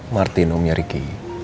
martin omnya ricky